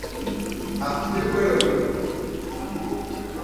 Hasýpe roju.